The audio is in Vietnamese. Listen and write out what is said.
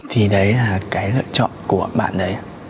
thì đấy là cái lựa chọn của bạn đấy